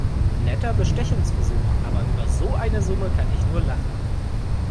Netter Bestechungsversuch, aber über so eine Summe kann ich nur lachen.